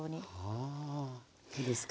はあいいですか。